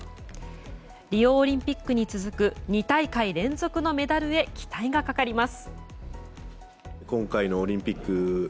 リオオリンピックに続く２大会連続のメダルへ期待がかかります。